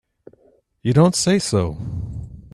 You don't say so!